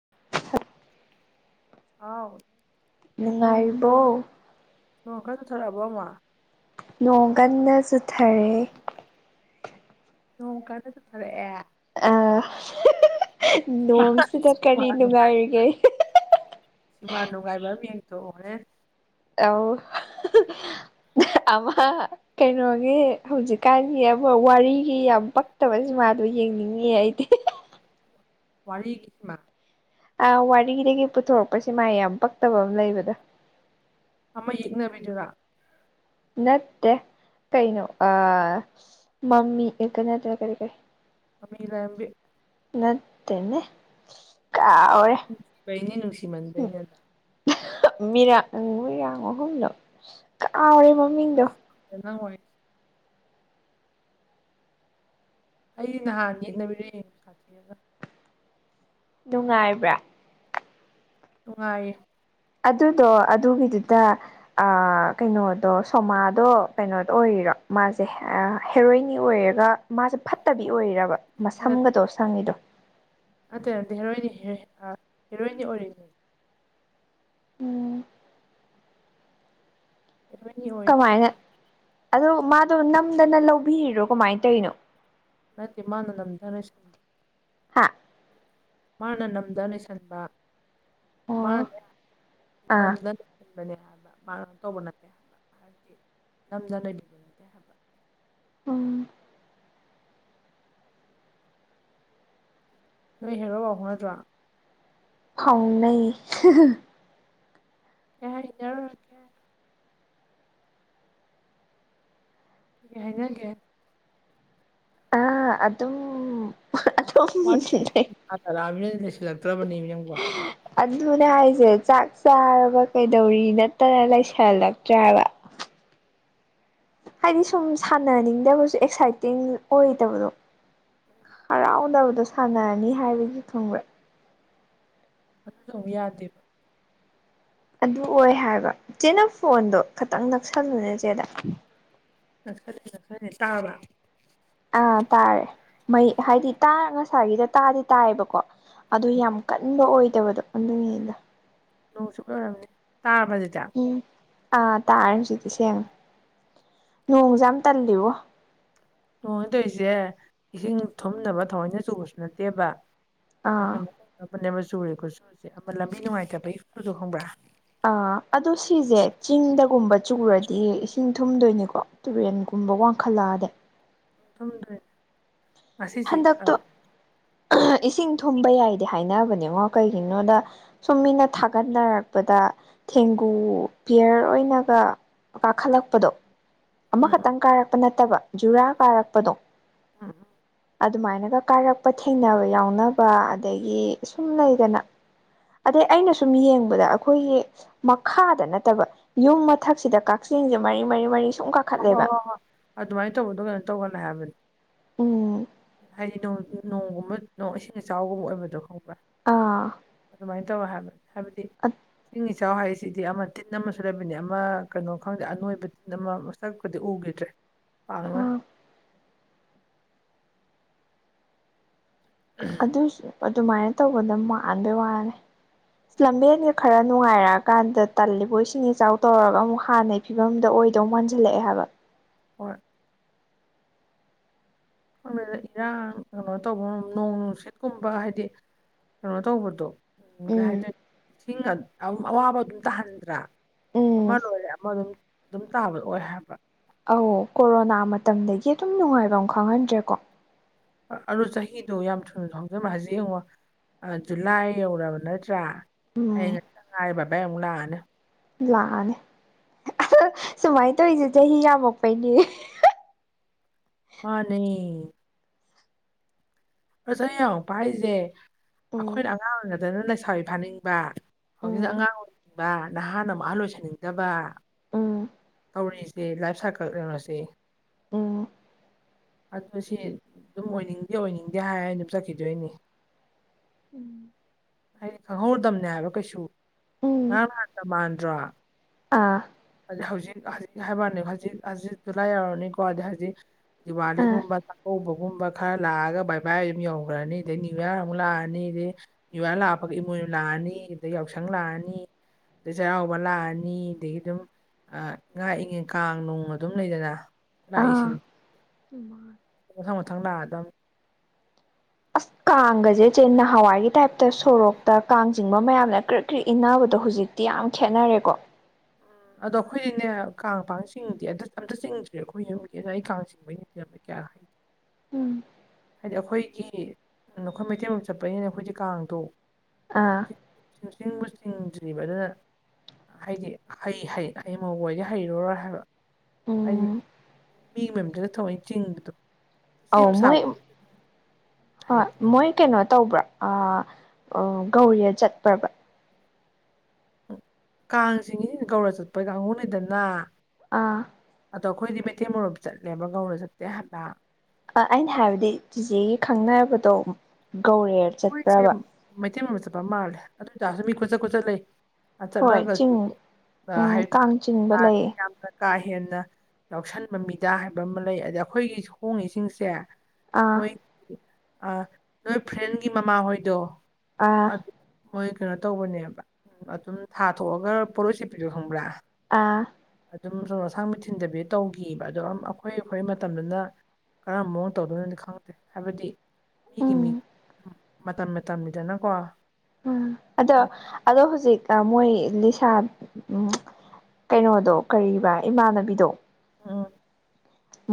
[inaudible] [inaudible] ꯅꯣꯡ ꯅꯨꯡꯉꯥꯏꯔꯤꯕꯣ ꯅꯣꯡ ꯀꯟꯅ ꯆꯨꯔꯛꯑꯕꯣ ꯑꯃꯨꯛ ꯅꯣꯡ ꯀꯟꯅ ꯆꯨꯊꯔꯦ ꯅꯣꯡ ꯀꯟꯅ ꯆꯨꯊꯥꯔꯛꯑꯦ ꯑ ꯁꯤꯃꯥ ꯅꯣꯡꯁꯤꯗ ꯁꯤꯃꯥ ꯀꯔꯤ ꯅꯨꯡꯉꯥꯏꯔꯤꯒꯦ ꯁꯤꯟꯃꯥ ꯅꯨꯡꯉꯥꯏꯕ ꯑꯃ ꯌ‌ꯦꯡꯊꯣꯛꯑꯣ ꯍ‌ꯣꯔ‌ꯦꯟ ꯑꯥꯎ [unintelligible] ꯑꯃ ꯀꯩꯅꯣꯒꯤ ꯍꯧꯖꯤꯛꯀꯥꯟꯒꯤ ꯑꯃ ꯋꯥꯔꯤꯒꯤ ꯌꯥꯝ ꯄꯛꯇꯕ [inaudible] ꯌꯦꯡꯅꯤꯡꯉꯤꯌ‌ꯦ ꯑꯩꯗꯤ ꯋꯥꯔꯤꯒꯤ [inaudible] ꯑꯥ ꯋꯥꯔꯤꯗꯒꯤ ꯄꯨꯊꯣꯔꯛꯄ ꯁꯤꯃꯥ ꯌꯥꯝ ꯄꯛꯇꯕ ꯑꯃ ꯂꯩꯕꯗꯣ ꯑꯃ ꯌꯦꯛꯅꯕꯤꯗꯨꯔꯥ ꯅꯠꯇꯦ ꯀꯩꯅꯣ ꯑꯥ ꯃꯃꯤ ꯀꯔꯤ ꯀꯔꯤ ꯃꯃꯤꯒꯤ ꯂꯥꯏꯔ‌ꯦꯝꯕꯤ ꯅꯠꯇꯦꯅꯦ ꯀꯥꯎꯋꯦ ꯅꯨꯡꯁꯤꯕꯩꯅꯤ ꯅꯨꯡꯁꯤꯃꯟꯕꯩꯅꯦ ꯑꯗꯣ ꯃꯤꯔꯥꯡ- ꯃꯤꯔꯥꯡ ꯃꯍꯨꯝꯗ‌ꯣ ꯀꯥꯎꯔꯦ ꯃꯃꯤꯡꯗꯣ [inaudible] ꯅꯪ ꯋꯥꯔꯤ ꯑꯩ ꯅꯍꯥꯟ ꯌꯦꯛꯅꯕꯤꯗꯣ ꯌꯦꯡꯂꯦ ꯄꯩꯁꯥ ꯊꯤꯔꯒ ꯅꯨꯡꯉꯥꯏꯕ꯭ꯔꯥ ꯅꯨꯡꯉꯥꯏꯔꯤꯌꯦ ꯑꯗꯨꯗꯣ ꯑꯗꯨꯒꯤꯗꯨꯗ ꯀꯩꯅꯣꯗꯣ ꯁꯣꯃꯥꯗꯣ ꯀꯩꯅꯣꯗꯣ ꯑꯣꯏꯔꯤꯔꯣ ꯃꯥꯖꯦ ꯍꯦꯔꯣꯏꯟꯅꯤ ꯑꯣꯏꯔꯒ ꯃꯥꯖꯦ ꯐꯠꯇꯕꯤ ꯑꯣꯏꯔꯕ ꯃꯁꯝꯒꯗꯣ ꯁꯪꯉꯤꯗꯣ꯫ ꯅꯠꯇ‌ꯦ-ꯅꯠꯇ‌ꯦ ꯍꯦꯔꯣꯏꯟ [inaudible] ꯑꯥ [inaudible] ꯎꯝ ꯍ‌ꯦꯔ‌ꯣꯌꯤꯟ ꯌ‌ꯦꯡ ꯉ‌ꯣ ꯀꯃꯥꯏꯅ ꯑꯗꯣ ꯃꯥꯗꯣ ꯅꯝꯗꯅ ꯂꯧꯕꯤꯔꯤꯔꯣ ꯀꯃꯥꯏꯅ ꯇꯧꯔꯤꯅꯣ ꯅꯠꯇꯦ ꯃꯥꯅ ꯅꯝꯗꯅ [inaudible] ꯍꯥꯥ ꯃꯥꯅ ꯅꯝꯗ ꯂꯩꯩꯁꯟꯕ ꯃꯥꯅ‌ꯦ [inaudible] ꯑꯥ ꯈꯟꯕꯅꯦ ꯍꯥꯏꯕ ꯃꯥꯅ [inaudible] ꯇꯧꯕ ꯅꯠꯇꯦ ꯍꯥꯏꯕ ꯍꯥꯏꯕꯗꯤ ꯅꯝꯗꯅ ꯂꯩꯕ ꯅꯠꯇꯦ ꯍꯥꯏꯕ ꯎꯝ ꯅꯣꯏ ꯍꯦꯔꯣ ꯄꯥꯎ ꯐꯥꯎꯅꯗ꯭ꯔ‌ꯣ ꯐꯥꯎꯅꯩ [unintelligible] ꯀꯩ ꯍꯥꯏꯅꯒꯦ ꯑꯥ ꯑꯗꯨꯝ ꯑꯗꯨꯝ ꯋꯥꯔꯤ [inaudible] ꯂꯩꯁꯜꯂꯛꯇ꯭ꯔꯕꯅ‌ꯦꯃꯤ ꯅꯪꯕ‌ꯣ ꯑꯗꯨꯅꯦ ꯍꯥꯏꯁꯦ ꯆꯥꯛ ꯆꯥꯔꯕ ꯀꯩꯗꯧꯔꯤ ꯅꯠꯇꯅ ꯂꯩꯁꯜꯂꯛꯇ꯭ꯔꯦ ꯍꯥꯏꯕ ꯍꯥꯏꯗꯤ ꯁꯨꯝ ꯁꯥꯟꯅꯅꯤꯡꯗꯕꯁꯨ ꯑꯦꯛꯁꯥꯏꯇꯤꯡ ꯑꯣꯏꯗꯕꯗꯣ ꯍꯔꯥꯎꯅꯕꯗꯣ ꯁꯥꯟꯅꯔꯅꯤ ꯍꯥꯏꯕꯒꯤ ꯈꯪꯕ꯭ꯔꯦ ꯑꯗꯨ ꯇꯧꯕ ꯌꯥꯗꯦꯕ ꯑꯗꯨ ꯑꯣꯏ ꯍꯥꯏꯕ ꯆꯦ ꯅꯪ ꯐꯣꯟꯗꯣ ꯈꯇꯪ ꯅꯛꯁꯜꯂꯨꯅꯦ ꯆꯦꯗ ꯅꯛꯁꯜꯂ‌ꯦ ꯅꯛꯁꯜꯂ‌ꯦ ꯇꯥꯔꯕ ꯑꯥ ꯇꯥꯔꯦ ꯃꯩ ꯍꯥꯏꯗꯤ ꯇꯥ ꯉꯁꯥꯏꯒꯤꯗ ꯇꯥꯗꯤ ꯇꯥꯏꯌꯦꯕꯀꯣ ꯑꯗꯨ ꯎꯝ ꯌꯥꯝ ꯀꯟꯕ ꯑꯣꯏꯗꯕꯗꯣ ꯑꯗꯨꯒꯤꯅꯤꯗ ꯅꯣꯡ ꯆꯨꯕꯩ ꯑꯣꯏꯔꯝꯅꯤ ꯇꯥꯔꯕꯗꯨꯗ ꯎꯝ ꯑꯥ ꯇꯥꯔꯦ ꯍꯧꯖꯤꯛꯇꯤ ꯁꯦꯝꯃꯦ ꯅꯣꯡꯁꯦ ꯌꯥꯝ ꯇꯜꯂꯤꯕꯣ ꯅꯣꯡꯅ‌ꯦꯅ ꯇꯧꯔꯤꯖ‌ꯦ ꯏꯁꯤꯡ ꯊꯨꯝꯅꯕ ꯊꯑꯣꯏꯅ ꯆꯨꯕꯁꯨ ꯅꯠꯇꯦꯕ ꯑꯥ [inaudible] ꯆꯨꯔꯤꯀꯣ ꯈꯨꯆꯨꯁ‌ꯦ ꯑꯃ ꯂꯝꯕꯤ ꯅꯨꯡꯉꯥꯏꯇꯕꯩ ꯈꯨꯆꯨꯗ‌ꯣ ꯈꯪꯕ꯭ꯔ ꯑꯥ ꯑꯗꯣ ꯁꯤꯁꯦ ꯆꯤꯡꯗꯒꯨꯝꯕ ꯆꯨꯔꯗꯤ ꯏꯁꯤꯡ ꯊꯨꯝꯗꯣꯏꯅꯤꯀꯣ ꯇꯨꯔꯦꯟꯒꯨꯝꯕ ꯋꯥꯡꯈꯠꯂꯛꯑꯗꯤ ꯊꯨꯝꯗꯣꯢꯅꯤ ꯍꯟꯗꯛꯇꯣ ꯏꯁꯤꯡ ꯊꯨꯝꯕ ꯌꯥꯏꯗꯤ ꯍꯥꯏꯅꯕꯅꯤꯉꯣ ꯀꯩꯒꯤꯅꯣꯗ ꯁꯨꯝ ꯃꯤꯅ ꯊꯥꯒꯠꯅꯔꯛꯄꯗ ꯊꯦꯡꯒꯨ ꯄꯤꯌꯔ ꯑꯣꯏꯅꯒ ꯀꯥꯈꯠꯂꯛꯄꯗꯣ ꯎꯝ ꯎꯝ ꯑꯃꯈꯛꯇꯪ ꯀꯥꯔꯛꯄ ꯅꯠꯇꯕ ꯖꯨꯔꯥ ꯀꯥꯔꯛꯄꯗꯣ [unintelligible] ꯑꯗꯨꯃꯥꯏꯅꯒ ꯀꯥꯏꯔꯛꯄ ꯊꯦꯡꯅꯕ ꯌꯥꯎꯅꯕ ꯑꯗꯒꯤ ꯁꯨꯝ ꯂꯩꯗꯅ ꯑꯗꯩ ꯎꯝ ꯑꯩꯅ ꯁꯨꯝ ꯌꯦꯡꯕꯗ ꯑꯈꯣꯏꯒꯤ ꯃꯈꯥꯗ ꯅꯠꯇꯕ ꯌꯨꯝ ꯃꯊꯛꯁꯤꯗ ꯀꯛꯆꯤꯡꯁꯦ ꯃꯔꯤ ꯃꯔꯤ ꯃꯔꯤ ꯁꯨꯝ ꯍꯥ ꯍꯣꯏ ꯀꯥꯈꯠꯂꯦꯕ ꯍꯣꯏ ꯍꯣꯏ ꯑꯗꯨꯃꯥꯏꯟ ꯇꯧꯕꯗꯣ ꯀꯩꯅꯣ ꯇꯧꯒꯂꯤ ꯍꯥꯏꯕꯅꯤ ꯎꯝ ꯍꯥꯏꯗꯤ [inaudible] ꯅꯣꯡꯒꯨꯝꯕ ꯅ‌ꯣꯡ ꯏꯁꯤꯡ ꯏꯆꯥꯎꯒꯨꯝꯕ ꯑꯣꯢꯕꯗꯣ ꯑꯥ ꯑꯗꯨꯃꯥꯏꯟ ꯇꯧꯋ‌ꯦ ꯍꯥꯏꯕ ꯍꯥꯏꯕꯗꯤ ꯏꯁꯤꯡ ꯏꯆꯥꯎ [inaudible] ꯁꯤꯗꯤ ꯑꯃ ꯇꯤꯟ ꯑꯃꯁꯨ ꯂꯩꯕꯅꯦ ꯑꯃ ꯀꯩꯅꯣ ꯈꯪꯗꯦ ꯑꯅꯣꯏꯕ ꯇꯤꯟ ꯑꯃ ꯃꯁꯛꯄꯨꯗꯤ ꯎꯒꯤꯗ꯭ꯔꯦ [unintelligible] ꯑꯗꯨꯏꯁꯨ ꯑꯗꯨꯃꯥꯏꯅ ꯇꯧꯕꯗ ꯃꯥꯟꯕꯩ ꯋꯥꯅꯦ ꯂꯝꯕꯦꯟꯒ ꯈꯔ ꯅꯨꯡꯉꯥꯏꯔꯛꯑꯀꯥꯟꯗ ꯇꯜꯂꯤꯕꯣ ꯏꯁꯤꯡ ꯏꯆꯥꯎ ꯇꯧꯔꯒ ꯑꯃꯨꯛ ꯍꯥꯟꯅꯩ ꯐꯤꯚꯝꯗ ꯑꯣꯏꯗꯧ ꯃꯥꯟꯖꯤꯜꯂꯛ ꯑꯦ ꯍꯥꯏꯕ ꯍꯣꯏ ꯈꯪꯗ‌ꯦꯗ ꯏꯔꯥꯡ ꯀꯩꯅꯣ ꯇꯧꯕ ꯅꯣꯡ ꯅꯨꯡꯁꯤꯠꯀꯨꯝꯕ ꯍꯥꯏꯗꯤ ꯀꯩꯅꯣ ꯇꯧꯕꯗꯣ ꯎꯝ ꯍꯥꯏꯖꯅꯤꯡ ꯏꯁꯤꯡ ꯑꯋꯥꯕ ꯑꯗꯨꯝ ꯇꯥꯍꯟꯗ꯭ꯔꯥ ꯑꯃ ꯎꯝ ꯂꯣꯏꯔꯦ ꯑꯃ ꯑꯗꯨꯝ ꯑꯗꯨꯝ ꯇꯥꯕꯗ‌ꯣ ꯑꯣꯏ ꯍꯥꯏꯕ ꯑꯧ ꯀꯣꯔꯣꯅꯥ ꯃꯇꯝꯗꯒꯤ ꯑꯗꯨꯝ ꯅꯨꯡꯉꯥꯏꯕꯝ ꯈꯪꯍꯟꯗ꯭ꯔꯦꯀꯣ ꯑꯗꯨ ꯆꯍꯤꯗ‌ꯣ ꯌꯥꯝ ꯊꯨꯅꯖꯨ ꯍꯧꯖꯤꯟꯕ ꯍꯥꯖ‌ꯦ ꯌꯦꯡꯉꯣ ꯑꯥ ꯖꯨꯂꯥꯏ ꯌꯧꯔꯕ ꯅꯠꯇ꯭ꯔꯥ ꯍꯌꯦꯡ ꯎꯝ [inaudible] ꯕꯥꯏ-ꯕꯥꯏ ꯑꯃꯨꯛ ꯂꯥꯛꯑꯅꯤ ꯂꯥꯛꯑꯅꯤ [unintelligible] ꯁꯨꯃꯥꯏꯅ ꯇꯧꯔꯤꯁꯦ ꯆꯍꯤ ꯌꯥꯝꯃꯛꯄꯩꯅꯦ ꯃꯥꯅꯦ ꯆꯍꯤ ꯌꯥꯝꯃꯛꯄ ꯍꯥꯏꯖ‌ꯦ ꯎꯝ ꯑꯩꯈꯣꯏꯅ ꯑꯉꯥꯡ ꯑꯣꯏꯔꯤꯉꯩꯗꯅ ꯂꯩꯁꯥꯕꯤ ꯐꯥꯅꯤꯡꯕ ꯍꯧꯖꯤꯛꯅ ꯎꯝ ꯑꯉꯥꯡ ꯑꯣꯏꯅꯤꯡꯕ ꯅꯍꯥꯅ ꯑꯃꯨꯛ ꯑꯍꯜ ꯑ‌ꯣꯏꯁꯟꯅꯤꯡꯗꯕ ꯎꯝ ꯇꯧꯔꯤꯁꯤ ꯂꯥꯏꯐ ꯁꯥꯔꯀꯜ [inaudible] ꯎꯝ ꯑꯗꯨ ꯁꯤ ꯑꯗꯨꯝ ꯑꯣꯏꯅꯤꯡꯗꯦ ꯑꯣꯏꯅꯤꯡꯗꯦ ꯍꯥꯏꯔ ꯑꯗꯨ ꯆꯠꯈꯤꯗꯣꯏꯅꯤ [inaudible] ꯍꯥꯏꯗꯤ ꯈꯪꯍꯧꯗꯝꯅꯦ ꯍꯥꯏꯕ ꯀꯩꯁꯨ ꯎꯝ ꯉꯔꯥꯡ ꯅꯍꯥꯟꯗ ꯃꯥꯟꯗ꯭ꯔꯣ ꯑꯥ ꯍꯧꯖꯤꯛ ꯍꯧꯖꯤꯛ ꯍꯥꯏꯕꯋꯥꯅꯦ ꯍꯧꯖꯤꯛ ꯍꯧꯖꯤꯛ ꯖꯨꯂꯥꯏ ꯌꯧꯔꯅꯤꯀꯣ ꯑꯥ ꯍꯧꯖꯤꯛ ꯑꯥ ꯗꯤꯋꯥꯂꯤꯒꯨꯝꯕ ꯆꯥꯛꯀꯧꯕꯒꯨꯝꯕ ꯈꯔ ꯂꯥꯛꯑꯒ ꯕꯥꯏ ꯕꯥ ꯑꯗꯨꯝ ꯌꯧꯒ꯭ꯔꯅꯤ ꯑꯗꯩ ꯌꯨꯌꯥꯔ ꯑꯃꯨꯛ ꯂꯥꯛꯑꯅꯤ ꯑꯗꯩ ꯅ꯭ꯌꯨꯌꯥꯔ ꯂꯥꯛꯄꯒ ꯏꯃꯣꯏꯅꯨ ꯂꯥꯛꯑꯅꯤ ꯑꯗꯩ ꯌꯥꯎꯁꯪ ꯂꯥꯛꯑꯅꯤ ꯑꯗꯨꯗꯩ ꯆꯩꯔꯥꯎꯕ ꯂꯥꯛꯑꯅꯤ ꯑꯗꯒꯤ ꯑꯗꯨꯝ ꯉꯥꯛꯏꯉꯩ ꯀꯥꯡ ꯅꯨꯡ ꯑꯗꯨꯝ ꯂꯩꯗꯅ ꯂꯥꯛꯏꯁꯤꯡ ꯎꯝ ꯃꯊꯪ ꯃꯊꯪ ꯂꯥꯛ ꯑꯗꯝ ꯑꯁ ꯀꯥꯡꯒꯁꯦ ꯆꯦ ꯅꯍꯥꯟꯋꯥꯏꯒꯤ ꯇꯥꯏꯞꯇ ꯁꯣꯔꯣꯛꯇ ꯀꯥꯡ ꯆꯤꯡꯕ ꯃꯌꯥꯝꯅ ꯀ꯭ꯔꯤꯛ ꯀ꯭ꯔꯤꯛ ꯏꯟꯅꯕꯗꯣ ꯍꯧꯖꯤꯛ ꯇꯤ ꯌꯥꯝ ꯈꯦꯠꯅꯔꯦꯀꯣ ꯑꯗꯣ ꯑꯩꯈꯣꯏꯗꯤꯅꯦ ꯀꯥꯡ ꯄꯥꯡ ꯆꯤꯡꯗꯤ ꯑꯥ ꯑꯝꯇ ꯆꯤꯡꯗ꯭ꯔꯦ ꯑꯩꯈꯣꯏ ꯌꯨꯝꯒꯤꯅ ꯑꯩ ꯀꯥꯡ ꯆꯤꯡꯕꯩꯩꯅ ꯊꯤꯔꯝꯃꯦ ꯀꯌꯥ [unintelligible] ꯎꯝ ꯍꯥꯏꯗꯤ ꯑꯩꯈꯣꯏꯒꯤ ꯅꯈꯣꯏ ꯃꯩꯇꯩ ꯃꯔꯨꯞ ꯆꯠꯄꯅꯤꯅ ꯑꯩꯈꯣꯏꯗꯤ ꯀꯥꯡꯗꯣ ꯑꯥ ꯁꯨꯡꯆꯤꯡ ꯁꯨꯡꯆꯤꯡꯕꯨ ꯆꯤꯡꯗ꯭ꯔꯤꯕ ꯑꯗꯨꯅ ꯍꯥꯏꯗꯤ ꯍꯩ ꯍꯩ ꯍꯌꯦꯡ ꯃꯧ ꯑꯣꯏꯔꯗꯤ ꯍꯩꯔꯨꯔꯣꯏ ꯍꯥꯏꯕ꯫ ꯍꯥꯏꯗꯤ ꯎꯝ ꯃꯤꯒꯤ ꯃꯌꯨꯝꯗꯨꯗ ꯊꯑꯣꯏ ꯆꯤꯡꯕꯗꯣ ꯁꯦꯝ ꯑꯧ ꯃꯣꯏ ꯁꯥꯕꯗꯣ ꯍꯣꯏ ꯍꯩꯅꯤꯀꯣ ꯃꯣꯏ ꯀꯩꯅꯣ ꯇꯧꯕ꯭ꯔꯥ ꯑ ꯒꯧꯔꯤꯌꯥ ꯆꯠꯄ꯭ꯔꯕ ꯀꯥꯡꯆꯤꯡꯉꯤꯁꯤꯡ ꯒꯧꯔ ꯆꯠꯄꯒꯤ ꯀꯥꯡꯕꯨ ꯅꯤꯗꯅ ꯑꯥ ꯑꯗꯣ ꯑꯩꯈꯣꯏꯗꯤ ꯃꯩꯇꯩ ꯃꯔꯨꯞ ꯆꯠꯂꯦꯕ ꯒꯧꯔ ꯆꯠꯇꯦ ꯍꯥꯏꯕ ꯑꯩꯅ ꯍꯥꯏꯕꯗꯤ ꯆꯤꯆꯦꯒꯤ ꯈꯪꯅꯕꯗꯣ ꯒꯧꯔꯦ ꯃꯣꯏꯁꯦ ꯃꯩꯇꯩ ꯃꯔꯨꯞ ꯆꯠꯄ ꯃꯥꯜꯂꯦ ꯑꯗꯨ ꯑꯣꯏꯇꯥꯔꯁꯨ ꯃꯤ ꯈꯨꯆꯠ ꯈꯨꯆꯠ ꯂꯩ ꯍꯣꯏ ꯆꯤꯡ ꯎꯝ ꯀꯥꯡ ꯆꯤꯡꯕ ꯂꯩꯌꯦ [unintelligible] ꯀꯥ ꯍꯦꯟꯅ ꯌꯥꯎꯁꯟꯕ ꯃꯤꯗꯥ ꯍꯥꯏꯕ ꯑꯃ ꯂꯩ ꯑꯗ ꯑꯩꯈꯣꯏꯒꯤ ꯍꯣꯡꯉꯤꯁꯤꯡꯁꯦ ꯑꯥ ꯃꯣꯏ ꯑ ꯅꯣꯏ ꯐ꯭ꯔꯦꯟꯒꯤ ꯃꯃꯥꯍꯣꯏꯗꯣ ꯑꯥ ꯑꯗꯨ ꯃꯣꯏ ꯀꯩꯅꯣ ꯇꯧꯕꯅꯦꯕ ꯑꯗꯨꯝ ꯊꯥ ꯊꯣꯛꯑꯒ ꯄꯣꯠꯂꯣꯏ ꯁꯦꯠꯄꯤꯗꯣ ꯈꯪꯕ꯭ꯔꯥ ꯑꯥ ꯑꯗꯨꯝ ꯆꯟꯗꯣꯟ ꯑꯁꯥꯡ ꯃꯤꯊꯤꯟꯗꯕꯤ ꯇꯧꯈꯤꯕ ꯑꯗꯣ ꯑꯩꯈꯣꯏ ꯑꯩꯈꯣꯏ ꯃꯇꯝꯗꯨꯅ ꯀꯔꯝꯕ ꯃꯑꯣꯡ ꯇꯧꯗꯣꯏꯅꯣꯗꯤ ꯈꯪꯉꯗꯦ ꯍꯥꯏꯕꯗꯤ ꯃꯤꯒꯤ ꯃꯤ ꯎꯝ ꯃꯇꯝ ꯃꯇꯝꯅꯤꯗꯅꯀꯣ ꯎꯝ ꯑꯗꯣ ꯑꯗꯣ ꯍꯧꯖꯤꯛ ꯃꯣꯏ ꯂꯤꯁꯥ ꯎꯝ ꯀꯩꯅꯣꯗꯣ ꯀꯔꯤꯕ ꯏꯃꯥꯟꯅꯕꯤꯗꯣ ꯎꯝ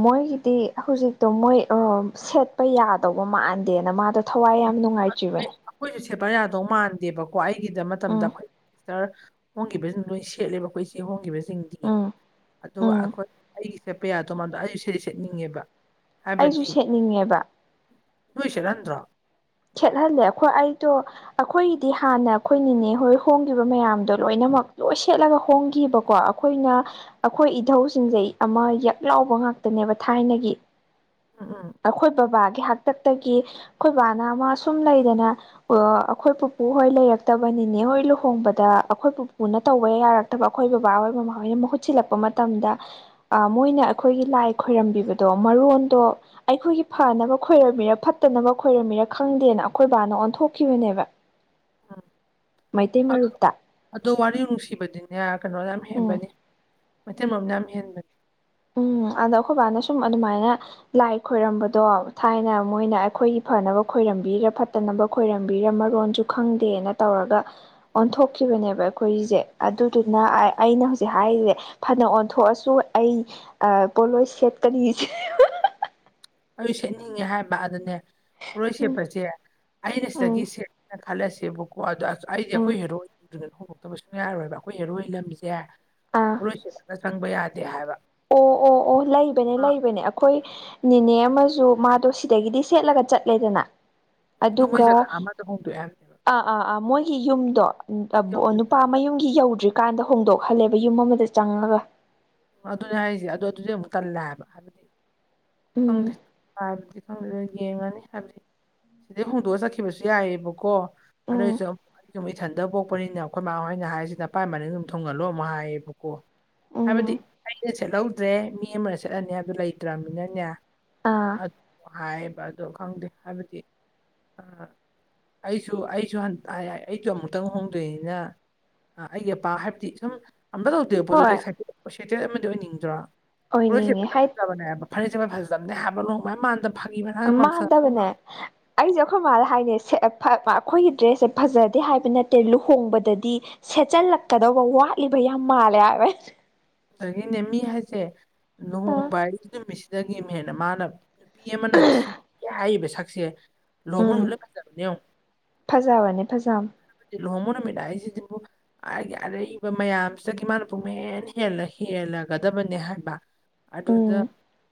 ꯃꯣꯏꯒꯤꯗꯤ ꯍꯧꯖꯤꯛꯇꯣ ꯃꯣꯏꯑ ꯁꯦꯠꯄ ꯌꯥꯗꯧꯕ ꯃꯥꯟꯗꯦꯅ ꯃꯥꯗꯣ ꯊꯋꯥꯏ ꯌꯥꯝ ꯅꯨꯡꯉꯥꯏꯇ꯭ꯔꯤꯕꯅꯤ ꯑꯩꯈꯣꯏꯖꯨ ꯁꯦꯠꯄ ꯌꯥꯗꯧ ꯃꯥꯟꯗꯦꯕꯀꯣ ꯑꯩꯒꯤꯗ ꯃꯇꯝꯗ ꯎꯝ ꯑꯩꯈꯣꯏ ꯈꯔ ꯍꯣꯡꯈꯤꯕꯁꯤꯡ ꯂꯣꯏ ꯁꯦꯠꯂꯦꯕ ꯑꯩꯈꯣꯏ ꯆꯦ ꯍꯣꯡꯈꯤꯕꯁꯤꯡ ꯒꯤꯡꯗꯤ ꯎꯝ ꯑꯗꯨꯒ ꯎꯝ ꯑꯩꯈꯣꯏ ꯑꯩꯒꯤ ꯁꯦꯠꯄ ꯌꯥꯗꯧ ꯃꯟꯗꯦ ꯑꯩꯁꯨ ꯁꯦꯠ ꯁꯦꯠꯅꯤꯡꯉꯦꯕ ꯑꯩꯁꯨ ꯍꯥꯏꯕꯗꯤ ꯁꯦꯠꯅꯤꯡꯉꯦꯕ ꯅꯣꯏ ꯁꯦꯠꯍꯟꯗ꯭ꯔꯣ꯫ ꯁꯦꯠꯍꯜꯂꯦ ꯑꯩꯈꯣꯏ ꯑꯩꯗꯣ ꯑꯩꯈꯣꯏꯒꯤꯗꯤ ꯍꯥꯟꯅ ꯑꯩꯈꯣꯏꯅꯤꯅꯦ ꯍꯣꯏ ꯍꯣꯡꯈꯤꯕ ꯃꯌꯥꯝꯗꯣ ꯂꯣꯏꯅꯃꯛ ꯂꯣꯏ ꯁꯦꯠꯂꯒ ꯍꯣꯡꯈꯤꯕꯀꯣ ꯑꯩꯈꯣꯏꯅ ꯑꯩꯈꯣꯏ ꯏꯙꯧꯁꯤꯡꯖꯦ ꯑꯃ ꯌꯛ ꯂꯥꯎꯕ ꯉꯥꯛꯇꯅꯦꯕ ꯊꯥꯏꯅꯒꯤ ꯎꯝ ꯎꯝ ꯑꯩꯈꯣꯏ ꯕꯕꯥꯒꯤ ꯍꯥꯛꯇꯛꯇꯒꯤ ꯑꯩꯈꯣꯏ ꯕꯥꯅ ꯑꯃ ꯁꯨꯝ ꯂꯩꯗꯅ ꯑꯩꯈꯣꯏ ꯄꯨꯄꯨ ꯍꯣꯏ ꯂꯩꯔꯛꯇꯕ ꯅꯤꯅꯦ ꯍꯣꯏ ꯂꯨꯍꯣꯡꯕꯗ ꯑꯩꯈꯣꯏ ꯄꯨꯄꯨꯅ ꯇꯧꯕ ꯌꯥꯔ ꯅꯠꯇꯕ ꯑꯩꯈꯣꯏ ꯕꯕꯥꯍꯣꯏ ꯃꯃꯥꯍꯣꯏꯅ ꯃꯍꯨꯠ ꯁꯤꯜꯂꯛꯄ ꯃꯇꯝꯗ ꯑ ꯃꯣꯏꯅ ꯑꯩꯈꯣꯏꯒꯤ ꯂꯥꯏ ꯈꯣꯏꯔꯝꯕꯤꯕꯗꯣ ꯃꯔꯣꯟꯗꯣ ꯑꯩꯈꯣꯏꯒꯤ ꯐꯅꯕ ꯈꯣꯏꯔꯝꯃꯤꯔ ꯐꯠꯇꯅꯕ ꯈꯣꯏꯔꯝꯃꯤꯔꯥ ꯈꯪꯗꯦꯅ ꯑꯩꯈꯣꯏ ꯕꯥꯅ ꯑꯣꯟꯊꯣꯛꯈꯤꯕꯅꯦꯕ ꯎꯝ ꯃꯩꯇꯩ ꯑꯗꯨ ꯃꯔꯨꯞꯇ ꯑꯗꯣ ꯋꯥꯔꯤ ꯅꯨꯡꯁꯤꯕꯗꯤꯅꯦ ꯀꯩꯅꯣꯅ ꯌꯥꯝ ꯎꯝ ꯍꯦꯟꯕꯅꯤ ꯃꯩꯇꯩ ꯃꯔꯨꯞꯅ ꯌꯥꯝ ꯍꯦꯟꯕꯅꯤ ꯎꯝ ꯑꯗꯣ ꯑꯩꯈꯣꯏꯕꯥꯅ ꯁꯨꯝ ꯑꯗꯨꯃꯥꯏꯅ ꯂꯥꯏ ꯈꯣꯏꯔꯝꯕꯗꯣ ꯊꯥꯏꯅ ꯃꯣꯏꯅ ꯑꯩꯈꯣꯏꯒꯤ ꯐꯅꯕ ꯈꯣꯏꯔꯝꯕꯤꯔꯤꯔ ꯐꯠꯇꯅꯕ ꯈꯣꯏꯔꯝꯕꯤꯔ ꯃꯔꯣꯟꯁꯨ ꯈꯪꯗꯦꯅ ꯇꯧꯔꯒ ꯑꯣꯟꯊꯣꯛꯈꯤꯕꯅꯦꯕ ꯑꯩꯈꯣꯏꯒꯤꯁꯦ ꯑꯗꯨꯗꯨꯅ ꯑꯩꯅ ꯍꯧꯖꯤꯛ ꯍꯥꯏꯔꯤꯁꯦ ꯐꯅ ꯑꯣꯟꯊꯣꯛꯑꯁꯨ ꯑꯩ ꯄꯣꯠꯂꯣꯏ ꯁꯦꯠꯀꯅꯤ ꯑꯩꯁꯨ ꯁꯦꯠꯅꯤꯡꯉꯦ ꯍꯥꯏꯕ ꯑꯗꯅꯦ ꯄꯣꯠꯔꯣꯏ ꯎꯝ ꯁꯦꯠꯄꯁꯦ ꯑꯩꯅ ꯎꯝ ꯁꯤꯗꯒꯤ ꯁꯦꯠꯂꯦꯅ ꯈꯜꯂꯁꯦꯕꯀꯣ ꯑꯗꯣ ꯑꯩꯗꯤ ꯎꯝ ꯑꯩꯈꯣꯏ ꯍꯦꯔꯣꯗ ꯑꯗꯨ ꯍꯣꯡꯗꯣꯛꯇꯕꯁꯨꯨꯡ ꯌꯥꯔꯣꯏꯕ ꯑꯩꯈꯣꯏ ꯍꯦꯔꯣꯏ ꯂꯝꯕꯤꯁꯦ ꯑꯥ ꯄꯣꯔꯣꯏ ꯁꯦꯠꯂꯒ ꯆꯪꯕ ꯌꯥꯗꯦ ꯍꯥꯏꯕ ꯑꯣ ꯑꯣ ꯑꯣ ꯂꯩꯕꯅꯦ ꯑꯃ ꯂꯩꯕꯅꯦ ꯑꯩꯈꯣꯏ ꯅꯦꯅꯦ ꯑꯃꯁꯨ ꯃꯥꯗꯣ ꯁꯤꯗꯒꯤꯗꯤ ꯁꯦꯠꯂꯒ ꯆꯠꯂꯦꯗꯅ ꯑꯗꯨ ꯃꯣꯏ ꯑꯗꯨꯒ ꯖꯒꯥ ꯑꯃꯗ ꯍꯣꯡꯗꯣꯛꯑꯦ ꯍꯥꯏꯕꯅꯦꯕ ꯑ ꯃꯣꯏꯒꯤ ꯌꯨꯝꯗꯣ ꯅꯨꯄꯥ ꯌꯧꯗ꯭ꯔꯤꯀꯥꯟꯗ ꯃꯌꯨꯝꯒꯤ ꯌꯧꯗ꯭ꯔꯤ ꯀꯥꯟꯗ ꯍꯣꯡꯗꯣꯛꯍꯜꯂꯦꯕ ꯌꯨꯝ ꯑꯃꯗ ꯆꯪꯉꯒ꯫ ꯑꯗꯨꯅꯦ ꯍꯥꯏꯔꯤꯁꯦ ꯑꯗꯣ ꯑꯗꯨꯗꯤ ꯑꯃꯨꯛ ꯇꯟꯂꯦ ꯍꯥꯏꯕ ꯎꯝ ꯈꯪꯗꯦ ꯍꯥꯏꯕꯗꯤ ꯈꯪꯗꯦꯗ ꯌꯦꯡꯉꯅꯤ ꯍꯥꯏꯕꯗꯤ ꯁꯤꯗꯩ ꯍꯣꯡꯗꯣꯛꯑ ꯆꯠꯈꯤꯕꯁꯨ ꯌꯥꯏꯑꯕꯀꯣ ꯎꯝ ꯑꯗꯨꯏꯖꯨ ꯁꯨꯝ ꯏꯊꯟꯇ [unintelligible] ꯑꯩꯈꯣꯏ ꯃꯥꯥꯍꯣꯏꯅ ꯍꯥꯏꯔꯤꯁꯤꯅ ꯄꯥꯏ ꯃꯔꯤ ꯑꯗꯨꯝ ꯊꯨꯡꯍꯜꯂꯣ ꯑꯃꯨꯛ ꯍꯥꯏꯌꯦꯕꯀꯣ ꯎꯝ ꯍꯥꯏꯕꯗꯤ ꯑꯩꯅ ꯁꯦꯠꯍꯧꯗ꯭ꯔꯦ ꯃꯤ ꯑꯃꯅ ꯁꯦꯠꯍꯟꯅꯤ ꯍꯥꯢꯕꯗꯨ ꯂꯩꯇ꯭ꯔꯃꯤꯅꯅꯦ ꯑꯥ ꯍꯥꯏꯌꯦꯕ ꯑꯗꯣ ꯈꯪꯗꯦ ꯍꯥꯏꯕꯗꯤ ꯑ ꯑꯩꯁꯨ ꯑꯩꯁꯨ ꯑꯩꯁꯨ [unintelligible] ꯑꯃꯨꯛꯇꯪ ꯍꯣꯡꯗꯣꯏꯅꯤꯅ ꯑꯩꯒꯤ ꯑꯄꯥ ꯍꯥꯏꯕꯗꯤ ꯁꯨꯝ ꯑꯝꯧ ꯑꯗꯨꯄꯣ ꯑꯗꯨꯗꯤ ꯍꯣꯏ ꯁꯥꯏꯇꯦꯜ ꯁꯥꯏꯇꯦꯜ ꯑꯃꯗꯤ ꯑꯣꯏꯅꯤꯡꯗ꯭ꯔꯣ ꯍꯣꯔꯣꯏꯁꯦ ꯑꯣꯏꯅꯤꯡꯉꯦ ꯐꯖꯟꯅ ꯍꯥꯏ ꯐꯖꯕꯅꯦꯕ ꯐꯔꯤꯁꯦ ꯃ ꯐꯖ ꯆꯝꯗ ꯍꯥꯏꯞ ꯂꯣꯡ ꯃꯥꯟꯗ ꯐꯥꯒꯤ ꯃꯔꯥꯡ ꯃꯝꯁꯟ ꯃꯥꯟꯗꯕꯅꯦ ꯑꯩꯖꯨ ꯑꯩꯈꯣꯏ ꯃꯥꯗ ꯍꯥꯏꯅꯦ [unintelligible] ꯑꯩꯈꯣꯏꯒꯤ ꯗ꯭ꯔꯦꯁꯁꯦ ꯐꯖꯗꯦ ꯍꯥꯏꯕ ꯅꯠꯇꯦ ꯂꯨꯍꯣꯡꯕꯗꯗꯤ ꯁꯦꯠꯆꯜꯂꯛꯀꯗꯧꯕ ꯋꯥꯠꯂꯤꯕ ꯌꯥꯝ ꯃꯥꯜꯂꯦ ꯍꯥꯏꯋꯦ ꯑꯗꯒꯤꯅꯦ ꯃꯤ ꯍꯥꯏꯁꯦ ꯑꯥ ꯂꯨꯍꯣꯡꯕꯏ ꯅꯨꯃꯤꯠꯁꯤꯗꯒꯤ ꯑꯃ ꯍꯦꯟꯅ ꯃꯥꯅꯕ ꯅꯨꯄꯤ ꯑꯃꯅ ꯊꯤꯒꯦ ꯍꯥꯏꯔꯤꯕ ꯁꯛꯁꯦ ꯂꯨꯍꯣꯡꯃ ꯎꯝ ꯂ ꯂ ꯐꯖꯕꯅꯦꯉ ꯐꯖꯕꯅꯦ ꯐꯖꯕꯅꯦ ꯂꯨꯍꯣꯡꯕ ꯅꯨꯃꯤꯠ ꯍꯥꯏꯁꯤꯗꯕꯨ ꯑꯩꯒꯤ ꯑꯔꯩꯕ ꯃꯌꯥꯝꯁꯤꯗꯒꯤ ꯃꯥꯅ ꯄꯨꯨꯡꯃꯦꯟ ꯍꯦꯜꯂ ꯍꯦꯜꯂꯒꯗꯕꯅꯦ ꯍꯥꯏꯕ ꯎꯝ ꯑꯗꯨꯗ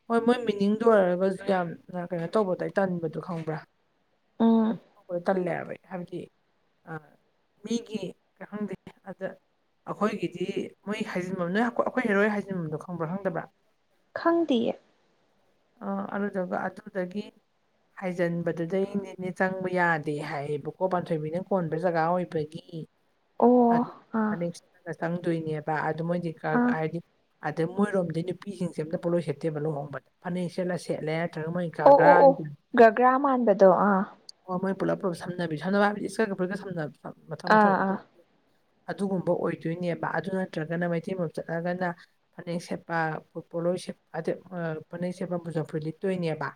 ꯍꯣꯏ ꯃꯣꯏ ꯃꯤꯅꯤꯡꯗꯨ ꯑꯣꯏꯔꯒ ꯌꯥꯝ ꯀꯩꯅꯣ ꯇꯧꯕꯗꯏ ꯇꯟꯕꯗꯨꯣ ꯈꯪꯕ꯭ꯔꯥ ꯎꯝ ꯀꯩꯅꯣ ꯇꯧꯕꯗ ꯇꯜꯂꯦ ꯍꯥꯏꯕ ꯍꯥꯏꯕꯗꯤ ꯃꯤꯒꯤ ꯀꯩ ꯈꯪꯗꯦ ꯑꯗ ꯑꯩꯈꯣꯏꯒꯤꯗꯤ ꯃꯣꯏ ꯍꯥꯏꯖꯤꯟꯐꯝ ꯅꯣꯏ ꯑꯩꯈꯣꯏ ꯍꯦꯔꯣꯏ ꯍꯥꯏꯖꯤꯟꯐꯝꯝꯗꯣ ꯈꯪꯕ꯭ꯔꯥ ꯈꯪꯗꯕ꯭ꯔꯥ ꯈꯪꯗꯌꯦ ꯑ ꯑꯗꯨꯗꯨꯒ ꯑꯗꯨꯗꯒꯤ ꯍꯥꯏꯖꯤꯟꯕꯗꯨꯗꯩꯅꯦꯅꯦ ꯆꯪꯕ ꯌꯥꯗꯦ ꯍꯥꯏꯌꯦꯕꯀꯣ ꯄꯥꯟꯊꯣꯏꯕꯤꯅ ꯀꯣꯟꯕ ꯖꯒꯥ ꯑꯣꯏꯕꯒꯤ ꯑꯣ ꯑꯗꯨ ꯑꯥ ꯐꯅꯦꯛ ꯁꯠꯂꯒ ꯆꯪꯗꯣꯏꯅꯦꯕ ꯑꯗꯨ ꯃꯣꯏꯗꯤ ꯑꯥ ꯍꯥꯏꯗꯤ ꯑꯗꯩ ꯃꯣꯏꯔꯣꯝꯗꯤ ꯅꯨꯄꯤꯁꯤꯡꯁꯦ ꯑꯝꯇ ꯄꯣꯠꯂꯣꯏ ꯁꯦꯠꯇꯦꯕ ꯂꯨꯍꯣꯡꯕꯗ ꯐꯅꯦꯛ ꯁꯦꯠꯂ ꯁꯦꯠꯂꯦ ꯅꯠꯇ꯭ꯔꯒ ꯃꯣꯏ ꯒ ꯑꯣ ꯑꯣ ꯑꯣ ꯒꯥꯒꯤꯗ ꯒꯒ꯭ꯔꯥ ꯃꯥꯟꯕꯗꯣ ꯑꯥ ꯑꯣ ꯃꯣꯏ ꯄꯨꯂꯞ ꯄꯨꯂꯞ ꯁꯝꯅꯕꯤ ꯁꯝꯅꯕ ꯍꯥꯏꯕꯗꯤ ꯏꯁꯀꯒ ꯄꯨꯂ ꯁꯝ ꯃꯊ ꯑꯥ ꯃꯊꯪ ꯑꯥ ꯑꯗꯨꯒꯨꯝꯕ ꯑꯣꯏꯗꯣꯏꯅꯦꯕ ꯑꯗꯨ ꯅꯠꯇ꯭ꯔꯒꯅ ꯃꯩꯇꯩ ꯃꯝ ꯆꯠꯂꯒꯅ ꯐꯅꯦꯛ ꯁꯦꯠꯄ ꯄꯣꯠꯂꯣꯢ ꯁꯦꯠꯄ ꯑꯗꯨ [unintelligible] ꯐꯨꯔꯤꯠ ꯂꯤꯠꯇꯣꯏꯅꯦꯕ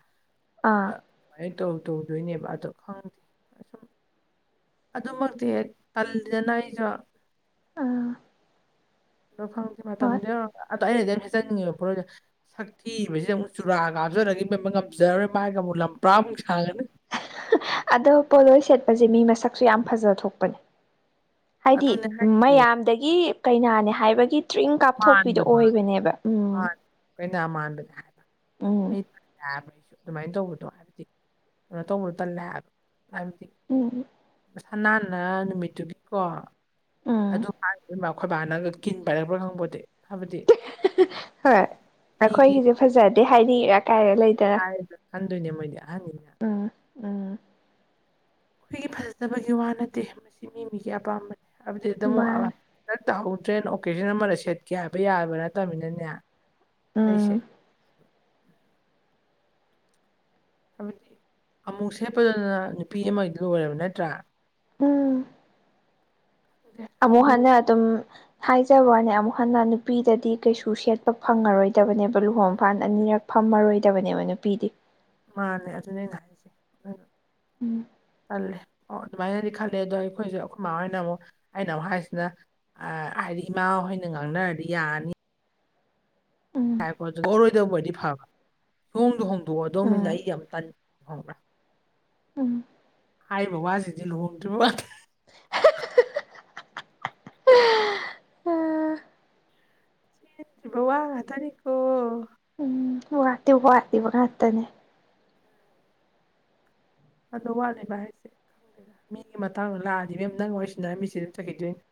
ꯑꯥ ꯁꯨꯃꯥꯏꯅ ꯇꯧ ꯇꯧꯗꯣꯏꯅꯦꯕ ꯑꯗꯣ ꯈꯪꯗꯦ ꯑꯁꯨꯝ ꯑꯗꯨꯃꯛꯇꯤ ꯇꯜꯂꯤꯗꯅ ꯑꯩꯁꯨ ꯑꯥ ꯑꯗꯣ ꯈꯪꯗꯦ ꯍꯣꯏ ꯃꯇꯝꯗꯣ ꯌꯧꯔꯀ ꯑꯩꯅꯗꯤ ꯌꯥꯝ ꯁꯦꯠꯆꯅꯤꯡꯉꯦꯕ ꯄꯨꯂꯣꯢꯗꯣ ꯁꯛꯊꯤ ꯑꯃꯨꯛ ꯆꯨꯔꯥ ꯍꯥꯞꯆꯜꯂꯗꯤ ꯢꯕꯦꯝꯃ ꯉꯝꯖꯔꯣꯏ ꯃꯥꯢꯒ ꯑꯃꯨꯛ ꯂꯝꯄ꯭ꯔꯥꯢꯃꯨꯛ ꯁꯥꯡꯉꯅꯤ ꯑꯗꯣ ꯄꯣꯂꯣꯏ ꯁꯦꯠꯄꯁꯦ ꯃꯤ ꯃꯁꯛꯁꯨ ꯌꯥꯝ ꯐꯖꯕ ꯊꯣꯛꯄꯅꯦ ꯍꯥꯏꯗꯤ ꯑꯗꯨꯅꯦ ꯍꯥꯏꯁꯦ ꯃꯌꯥꯝꯗꯒꯤ ꯀꯩꯅꯥꯅꯦ ꯍꯥꯏꯕꯒꯤ ꯇ꯭ꯔꯤꯡ ꯀꯥꯞꯊꯣꯛꯄꯤꯗꯣ ꯑꯣꯏꯕꯅꯦꯕ ꯎꯝ ꯀꯩꯅ ꯃꯥꯟꯕꯅꯦ ꯍꯥꯏꯕ [unintelligible] ꯎꯝ ꯍꯥꯏꯕ ꯑꯩꯁꯨ ꯑꯗꯨꯃꯥꯏꯅ ꯇꯧꯕꯗꯣ ꯍꯥꯏꯕꯗꯤ ꯀꯩꯅꯣ ꯇꯧꯕꯗꯣ ꯇꯜꯂꯦ ꯍꯥꯏꯕ ꯍꯥꯏꯕꯗꯤ ꯎꯝ ꯁꯅꯥꯅ ꯅꯨꯃꯤꯠꯇꯨꯒꯤꯀꯣ ꯎꯝ ꯑꯗꯨ ꯍꯥꯏ ꯑꯩꯈꯣꯏꯕꯥꯅꯒ ꯀꯤꯟ ꯄꯥꯏꯔꯔꯕ꯭ꯔꯥ ꯈꯪꯕ [unintelligible] ꯍꯥꯏꯕꯗꯤ ꯍꯣꯏ ꯃꯤꯒꯤ ꯑꯩꯈꯣꯏꯒꯤꯁꯦ ꯐꯖꯗꯦ ꯍꯥꯏꯗꯤ [unintelligible] ꯂꯩꯗꯅ ꯍꯥꯏꯔꯗ꯭ꯔꯥ ꯈꯟꯗꯣꯏꯅꯦ ꯃꯣꯏꯗꯤ ꯑꯍꯟꯅꯤꯅ ꯎꯝ ꯎꯝ ꯑꯩꯈꯣꯏꯒꯤ ꯐꯖꯗꯕꯒꯤ ꯋꯥ ꯅꯠꯇꯦ ꯃꯁꯤ ꯃꯤ ꯃꯤꯒꯤ ꯑꯄꯥꯝꯕꯅꯤ ꯍꯥꯏꯕꯗꯤ ꯑꯗꯨꯝ ꯃꯥꯅꯦ ꯍꯗ ꯇꯧꯍꯧꯗ꯭ꯔꯦ ꯑꯣꯀꯦꯖꯟ ꯑꯃꯗ ꯁꯦꯠꯀꯦ ꯍꯥꯏꯕ ꯌꯥꯕ ꯅꯠꯇꯕꯃꯤꯅꯅꯦ ꯑꯩ ꯎꯝ ꯁꯦꯠꯀ ꯍꯥꯏꯕꯗꯤ ꯑꯃꯨꯛ ꯁꯦꯠꯄꯗꯅ ꯅꯨꯄꯤ ꯑꯃꯒꯤꯗꯨ ꯑꯣꯏꯔꯕ ꯅꯠꯇ꯭ꯔꯥ ꯎꯝ ꯈꯪꯗꯦ ꯑꯃꯨꯛ ꯁꯦꯠꯅꯤꯡ ꯍꯟꯅ ꯑꯗꯨꯝ ꯍꯥꯏꯖꯕꯋꯅꯦ ꯑꯃꯨꯛ ꯍꯟꯅ ꯅꯨꯄꯤꯗꯗꯤ ꯀꯩꯁꯨ ꯁꯦꯠꯄ ꯐꯪꯉꯔꯣꯏꯗꯕꯅꯦꯕ ꯂꯨꯍꯣꯡꯐꯥꯟ ꯑꯅꯤꯔꯛ ꯐꯝꯃꯔꯣꯏꯗꯕꯅꯦꯕ ꯅꯨꯄꯤꯗꯤ ꯃꯥꯂ ꯑꯗꯨꯅꯦ ꯑꯩꯅ ꯍꯥꯏꯁꯦ ꯎꯝ꯫ ꯈꯜꯂꯦ ꯑꯣ ꯑꯗꯨꯃꯥꯏꯅꯗꯤ ꯈꯜꯂꯦ ꯑꯗꯣ ꯑꯩꯈꯣꯏꯁꯨꯦ ꯑꯩꯈꯣꯏ ꯏ ꯃꯥꯥ ꯍꯣꯏꯅ ꯑꯃꯨꯛ ꯑꯩꯅ ꯑꯃꯨꯛ ꯍꯥꯏꯁꯤꯅ ꯍꯥꯏꯗꯤ ꯏꯃꯥꯍꯣꯏꯅ ꯉꯥꯡꯅꯔꯗꯤ ꯌꯥꯔꯅꯤ ꯎꯝ ꯑꯣꯊꯣꯔꯣꯏꯗꯕ ꯑꯣꯏꯔꯗꯤ ꯐꯕ ꯍꯣꯡꯗꯣ ꯍꯣꯡꯗꯣꯛꯑꯣꯗꯧꯅꯤꯅ ꯎꯝ ꯑꯩ ꯌꯥꯝ ꯇꯟ ꯈꯪꯕ꯭ꯔꯥ ꯍꯥꯏꯔꯤꯕ ꯋꯥꯁꯤꯡꯖꯦ ꯂꯨꯍꯣꯡꯗ꯭ꯔꯤꯕ ꯎꯝ [unintelligible] ꯋꯥ ꯉꯥꯇꯅꯤꯀꯣ ꯎꯝ ꯋꯥꯠꯇꯤ ꯋꯥꯠꯂꯤꯕ ꯉꯥꯛꯇꯅꯦ ꯑꯗꯣ ꯋꯥꯠꯂꯤꯦꯕ ꯍꯥꯏꯁꯦ ꯈꯪꯗꯦꯗ ꯃꯤꯒꯤ ꯃꯇꯥꯡꯗꯣ ꯂꯥꯛꯑꯗꯤ ꯃꯦꯝ ꯅꯪ ꯋꯥꯔꯤꯁꯤꯟꯅꯔ ꯃꯤꯁꯦ ꯑꯗꯨꯝ ꯆꯠꯈꯤꯗꯣꯏꯅꯦ